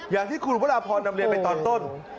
อย่างที่คุณวราพรนำเรียนไปตอนต้น